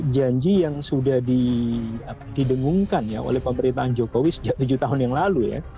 janji yang sudah didengungkan ya oleh pemerintahan jokowi sejak tujuh tahun yang lalu ya